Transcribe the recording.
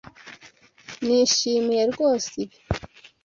Nishimiye rwose ibi.